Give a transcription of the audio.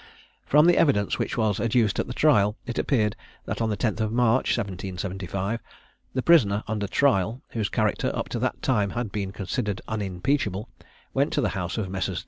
From the evidence which was adduced at the trial, it appeared that on the 10th of March, 1775, the prisoner under trial, whose character up to that time had been considered unimpeachable, went to the house of Messrs.